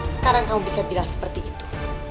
sekarang kamu bisa bilang seperti itu